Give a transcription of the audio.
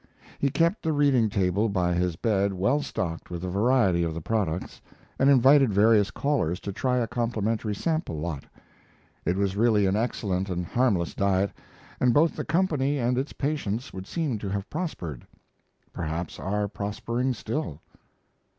He kept the reading table by his bed well stocked with a variety of the products and invited various callers to try a complimentary sample lot. It was really an excellent and harmless diet, and both the company and its patients would seem to have prospered perhaps are prospering still.